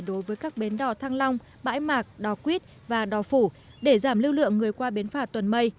đối với các bến đò thăng long bãi mạc đò quýt và đò phủ để giảm lưu lượng người qua bến phà tuần mây